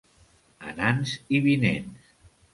Anants i vinents.